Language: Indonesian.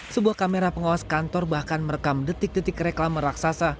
sebuah kamera pengawas kantor bahkan merekam detik detik reklama raksasa